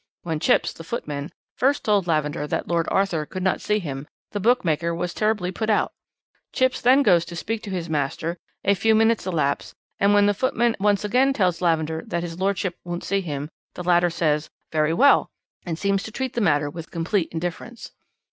When Chipps, the footman, first told Lavender that Lord Arthur could not see him the bookmaker was terribly put out; Chipps then goes to speak to his master; a few minutes elapse, and when the footman once again tells Lavender that his lordship won't see him, the latter says 'Very well,' and seems to treat the matter with complete indifference.